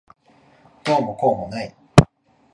どうもこうもない。